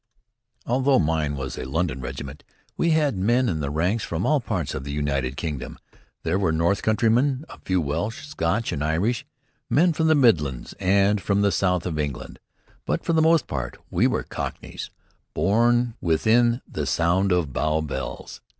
Although mine was a London regiment, we had men in the ranks from all parts of the United Kingdom. There were North Countrymen, a few Welsh, Scotch, and Irish, men from the Midlands and from the south of England. But for the most part we were Cockneys, born within the sound of Bow Bells.